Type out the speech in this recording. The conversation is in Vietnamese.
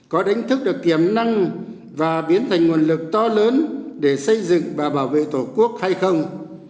có đánh thức được kiểm năng và biến thành nguồn lực to lớn để xây dựng và bảo vệ tổ quốc hay không